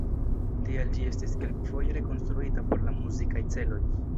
Tial ĝi estis kelkfoje rekonstruita por la muzikaj celoj.